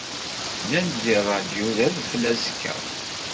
Nnan-d deg rradyu d adfel azekka.